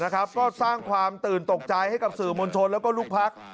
ก็สร้างความตื่นตกใจให้กับสื่อมวลชนแล้วก็ลูกพัก